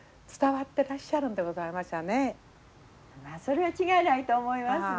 それは違いないと思いますね。